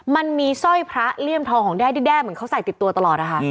มันมีสร้อยพระเลี่ยมทองของแด้เหมือนเขาใส่ติดตัวตลอดนะคะ